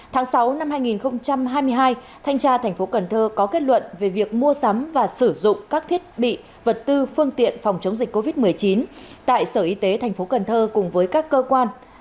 tháng sáu năm hai nghìn hai mươi hai thanh tra thành phố cần thơ có kết luận về việc mua sắm và sử dụng các thiết bị vật tư phương tiện phòng chống dịch covid một mươi chín tại sở y tế tp cần thơ cùng với các cơ quan